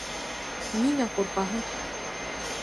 Ниңә ҡурҡаһың?